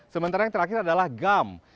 sementara yang terakhir adalah gam